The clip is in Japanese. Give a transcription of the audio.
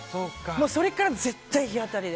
それから絶対、日当たりで。